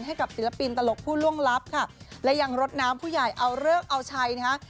ให้กับศิลปินตลกผู้ล่วงลับค่ะและยังรดน้ำผู้ใหญ่เอาเลิกเอาชัยนะคะ